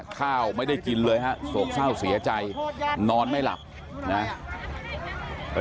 ข้าวไม่ได้กินเลยฮะโศกเศร้าเสียใจนอนไม่หลับนะ